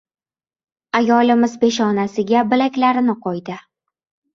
Ayolimiz peshonasili bilaklari qo‘ydi.